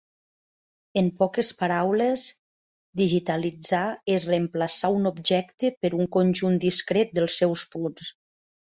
En poques paraules, digitalitzar és reemplaçar un objecte per un conjunt discret dels seus punts.